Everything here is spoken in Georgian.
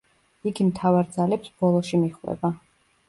იგი მთავარ ძალებს ბოლოში მიჰყვება.